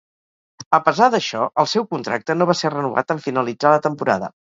A pesar d'això, el seu contracte no va ser renovat en finalitzar la temporada.